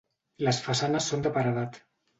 Les façanes són de paredat.